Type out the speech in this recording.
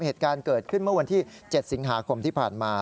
เหตุการณ์เกิดขึ้นเมื่อวันที่๗สิงหาคมที่ผ่านมา